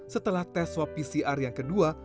setelah tes swab pcr yang kedua